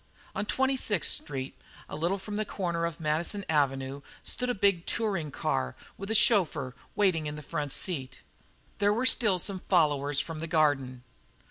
On Twenty Sixth Street, a little from the corner of Madison Avenue, stood a big touring car with the chauffeur waiting in the front seat. There were still some followers from the Garden.